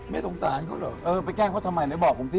สงสารเขาเหรอเออไปแกล้งเขาทำไมไหนบอกผมสิ